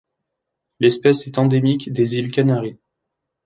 L'espèce est endémique des îles Canaries.